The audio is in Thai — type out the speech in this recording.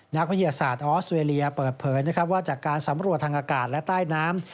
นักวิทยาศาสตร์ออสเวรียเปิดเผยนะครับว่าจากการสำรวจทางอากาศและใต้น้ำ